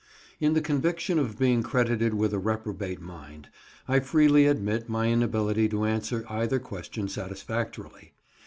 In the conviction of being credited with a reprobate mind, I freely admit my inability to answer either question satisfactorily.